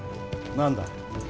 何だ？